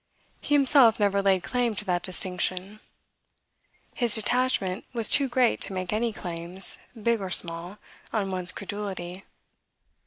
He himself never laid claim to that distinction. His detachment was too great to make any claims, big or small, on one's credulity.